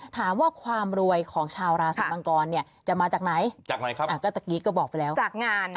ถามว่าความรวยของชาวราศีมังกรจะมาจากไหน